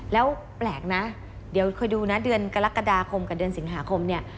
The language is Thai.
แล้วแปลกนะเดี๋ยวคอยดูนะเดือนกรกฎาคมกับเดือนสิงหาคมเนี่ย